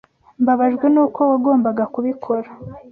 Mbabajwe nuko wagombaga kubikora.